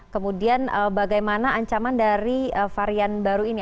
kemudian bagaimana ancaman dari varian baru ini